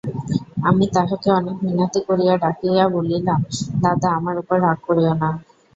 আমি তাহাকে অনেক মিনতি করিয়া ডাকিয়া বলিলাম–দাদা, আমার উপর রাগ করিয়ো না।